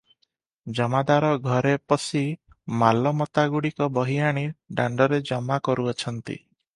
ଜମାଦାର ଘରେ ପଶି ମାଲମତାଗୁଡ଼ିକ ବହିଆଣି ଦାଣ୍ତରେ ଜମା କରୁଅଛନ୍ତି ।